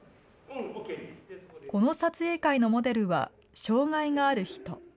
この撮影会のモデルは、障害がある人。